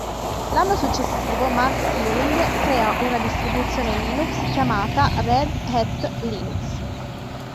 L'anno successivo, Marc Ewing crea una distribuzione Linux chiamata Red Hat Linux.